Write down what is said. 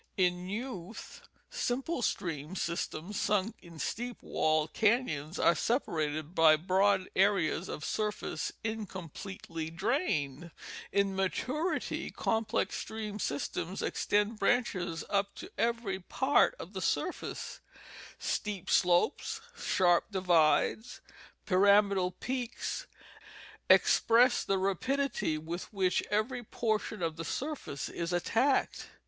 In youth simple stream systems sunk in steep walled canons are separated by broad areas of surface incompletely drained. In maturity complex stream systems extend branches up to every part of the surface ; steep slopes, sharp divides, pyramidal peaks express the rapidity with which every portion of the surface is attacked.